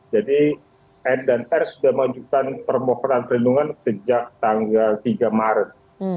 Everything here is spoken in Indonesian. jadi n dan r sudah menunjukkan permohonan perlindungan sejak tanggal tiga maret